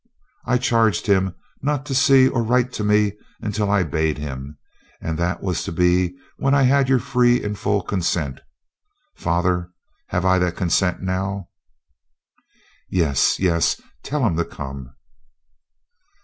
"I charged him not to see or write to me until I bade him, and that was to be when I had your free and full consent. Father, have I that consent now?" "Yes, yes, tell him to come."